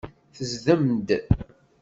Tezdem-d.